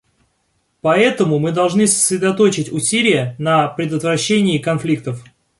Поэтому мы должны сосредоточить усилия на предотвращении конфликтов.